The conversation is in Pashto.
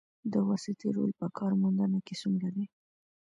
د واسطې رول په کار موندنه کې څومره دی؟